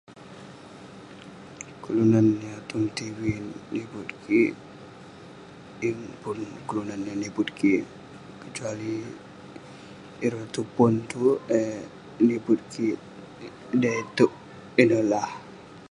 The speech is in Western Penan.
Kelunan yah tong tv nipet kik, yeng pun kelunan yah nipet kik kecuali ireh tong pon tue eh nipet kik dai itouk ineh lah.